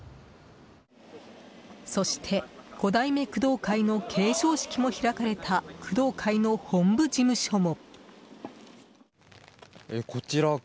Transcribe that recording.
そして、５代目工藤会の継承式も開かれた工藤会の本部事務所も。